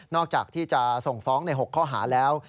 จากที่จะส่งฟ้องใน๖ข้อหาแล้ว